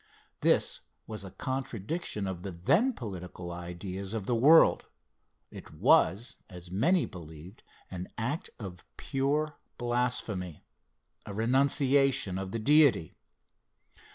This was a contradiction of the then political ideas of the world; it was, as many believed, an act of pure blasphemy a renunciation of the Deity.